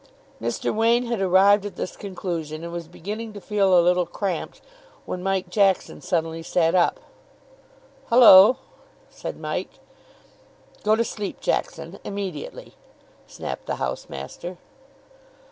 Mr. Wain had arrived at this conclusion, and was beginning to feel a little cramped, when Mike Jackson suddenly sat up. "Hullo!" said Mike. "Go to sleep, Jackson, immediately," snapped the house master.